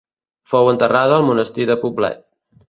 Fou enterrada al monestir de Poblet.